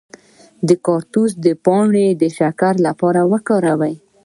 د کاکتوس پاڼې د شکر لپاره وکاروئ